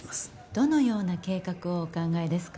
どのような計画をお考えですか？